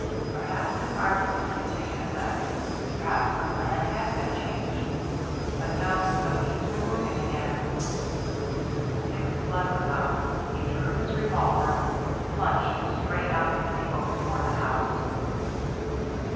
Perhaps his argu ments had taken effect ; perhaps the plan had been changed. But no, the weeds were mov ing again. Dick's blood was up. He drew his revolver and plunged straight out into the open toward the house.